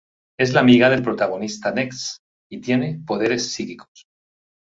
Es la amiga del protagonista, Ness y tiene poderes psíquicos.